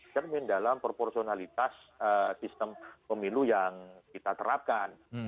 cermin dalam proporsionalitas sistem pemilu yang kita terapkan